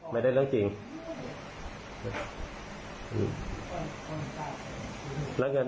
ไม่ได้เรื่องจริง